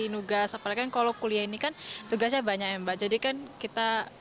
nugas apalagi kalau kuliah ini kan tugasnya banyak ya mbak jadi kan kita